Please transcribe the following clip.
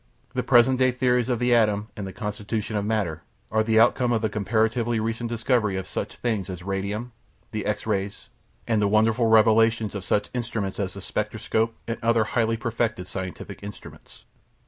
The present day theories of the atom and the constitution of matter are the outcome of the comparatively recent discovery of such things as radium, the X rays, and the wonderful revelations of such instruments as the spectroscope and other highly perfected scientific instruments.